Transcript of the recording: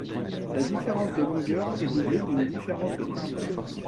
La différence de longueur est doublée d’une différence de timbre.